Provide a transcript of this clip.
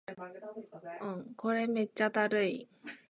これめっちゃだるい